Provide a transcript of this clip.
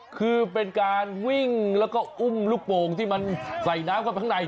คือเป็นการวิ่งแล้วก็อุ้มลูกโป่งที่มันใส่น้ำเข้าไปข้างใน